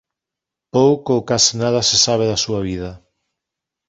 Pouco ou case nada se sabe da súa vida.